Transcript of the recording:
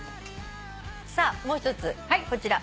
さあもう１つこちら。